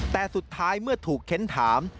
แต่สุดท้ายเมื่อถูกเค้นถาม